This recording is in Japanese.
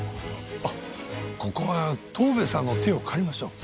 あっここは藤兵衛さんの手を借りましょう。